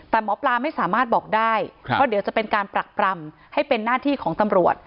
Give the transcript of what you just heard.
แต่หมอปลาไม่สามารถบอกได้เพราะเดี๋ยวจะเป็นการปรักปรำให้เป็นหน้าที่ของตำรวจ